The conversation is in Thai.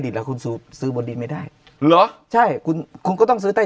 คุณซื้อซื้อบนดินไม่ได้เหรอใช่คุณคุณก็ต้องซื้อใต้